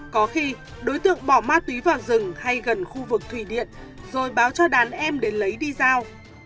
có khi đối tượng bỏ ma túy vào rừng hay gần khu vực thủy điện rồi báo cho đàn em đến lấy đi giao